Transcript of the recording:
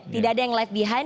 tidak ada yang live behind